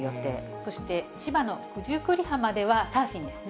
そして、千葉の九十九里浜ではサーフィンですね。